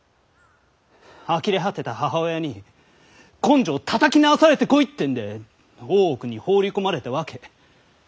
あきれ果てた母親に「根性たたき直されてこい」ってんで大奥に放り込まれたわけ。